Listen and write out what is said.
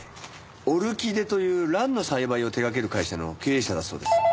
オルキデという蘭の栽培を手掛ける会社の経営者だそうです。